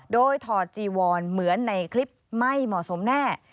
โดยถอดจีวอนเหมือนในคลิปไม่เหมาะสมแน่